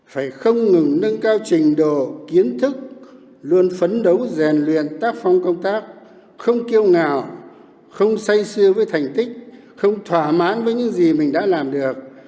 phải không ngừng nâng cao trình độ kiến thức luôn phấn đấu rèn luyện tác phong công tác không kiêu ngạo không say sư với thành tích không thỏa mãn với những gì mình đã làm được